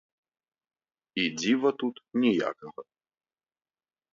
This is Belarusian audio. І дзіва тут ніякага.